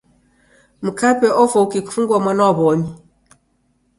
Mkape ofwa ukikufungua mwana wa w'omi.